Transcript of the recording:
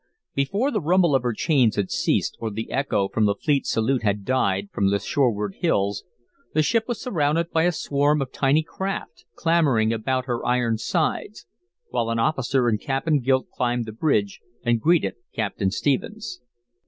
Before the rumble of her chains had ceased or the echo from the fleet's salute had died from the shoreward hills, the ship was surrounded by a swarm of tiny craft clamoring about her iron sides, while an officer in cap and gilt climbed the bridge and greeted Captain Stephens.